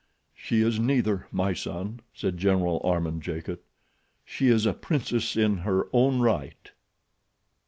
"She is neither, my son," said General Armand Jacot. "She is a princess in her own right."